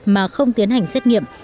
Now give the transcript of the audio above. mà không tiến hành xét nghiệm